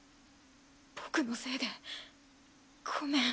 僕のせいでごめん。